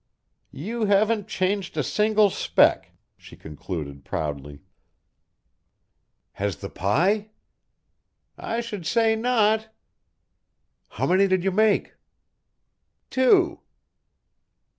"You haven't changed a single speck," she concluded proudly. "Has the pie?" "I should say not." "How many did you make?" "Two."